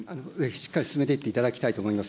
しっかり進めていっていただきたいと思います。